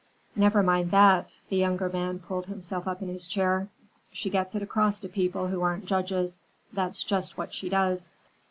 "Never mind that." The younger man pulled himself up in his chair. "She gets it across to people who aren't judges. That's just what she does."